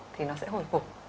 thì nó sẽ hồi phục